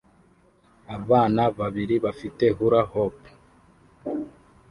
Abana babiri bafite hula-hop